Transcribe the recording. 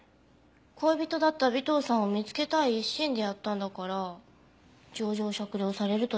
恋人だった尾藤さんを見つけたい一心でやったんだから情状酌量されるといいんですけど。